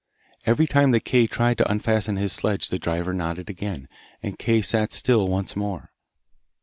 Every time that Kay tried to unfasten his sledge the driver nodded again, and Kay sat still once more.